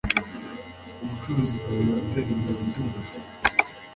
Ubucuruzi bwawe buratera imbere, ndumva